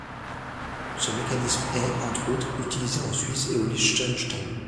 Ce mécanisme est, entre autres, utilisé en Suisse et au Liechtenstein.